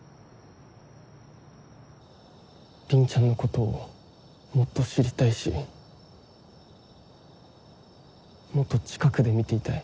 凛ちゃんのことをもっと知りたいしもっと近くで見ていたい。